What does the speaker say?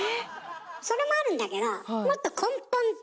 それもあるんだけどもっと根本的？